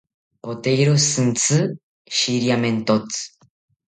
Poteiro shintsi shiriamentotzi